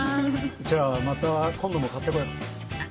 じゃあまた今度も買ってこようあっ